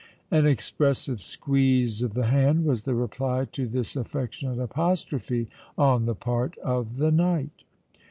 An expressive squeeze of the hand was the reply to this affectionate apostrophe on the part of the knight.